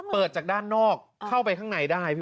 เปิดจากด้านนอกเข้าไปข้างในได้พี่